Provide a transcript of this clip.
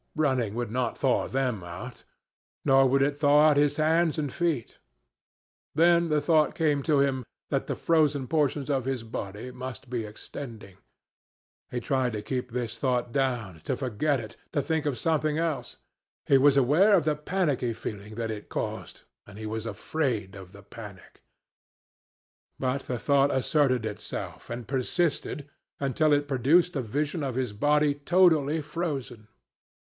Running would not thaw them out. Nor would it thaw out his hands and feet. Then the thought came to him that the frozen portions of his body must be extending. He tried to keep this thought down, to forget it, to think of something else; he was aware of the panicky feeling that it caused, and he was afraid of the panic. But the thought asserted itself, and persisted, until it produced a vision of his body totally frozen.